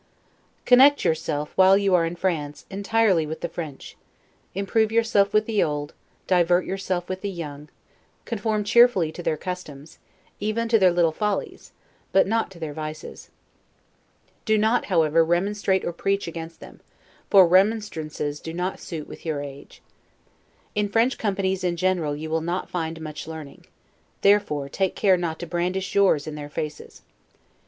Connect yourself, while you are in France, entirely with the French; improve yourself with the old, divert yourself with the young; conform cheerfully to their customs, even to their little follies, but not to their vices. Do not, however, remonstrate or preach against them, for remonstrances do not suit with your age. In French companies in general you will not find much learning, therefore take care not to brandish yours in their faces.